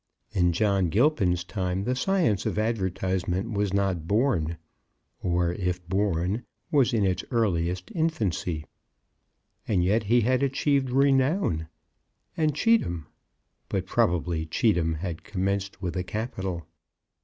In John Gilpin's time the science of advertisement was not born; or, if born, was in its earliest infancy. And yet he had achieved renown. And Cheetham; but probably Cheetham had commenced with a capital.